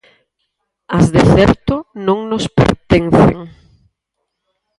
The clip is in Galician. As de certo non nos pertencen.